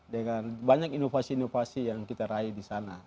dan banyak inovasi inovasi yang kita raih disana